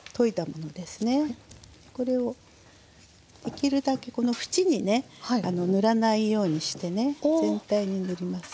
これをできるだけこの縁にね塗らないようにしてね全体に塗りますね。